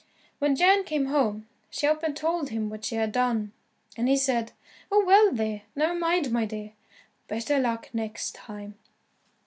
When Jan came home, she up and told him what she had done, and he said, "Oh, well, there, never mind, my dear, better luck next time."